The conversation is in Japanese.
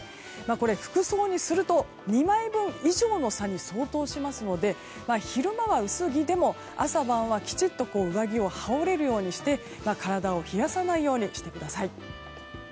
服装にすると２枚分以上の差に相当しますので昼間は薄着でも朝晩はきちっと上着を羽織れるようにして体を冷やさないようにしてください。